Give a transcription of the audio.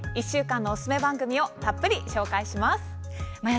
１週間のおすすめ番組をたっぷり紹介します。